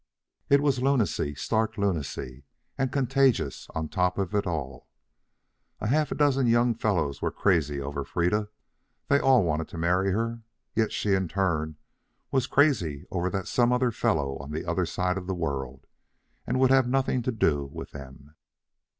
It was lunacy, stark lunacy, and contagious on top of it all. A half dozen young fellows were crazy over Freda. They all wanted to marry her. Yet she, in turn, was crazy over that some other fellow on the other side of the world, and would have nothing to do with them.